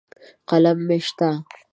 قلم مې شته.